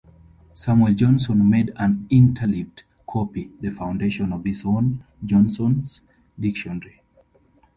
Samuel Johnson made an interleaved copy the foundation of his own "Johnson's Dictionary".